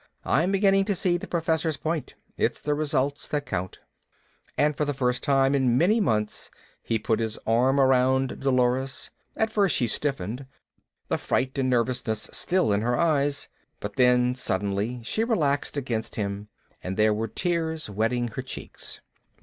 I'm beginning to see the Professor's point, it's the result that counts." And for the first time in many months he put his arm around Dolores. At first she stiffened, the fright and nervousness still in her eyes. But then suddenly she relaxed against him and there were tears wetting her cheeks.